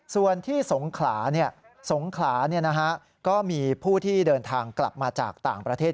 ส่วนที่สงขลาสงขลาก็มีผู้ที่เดินทางกลับมาจากต่างประเทศ